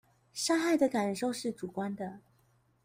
傷害的感受是主觀的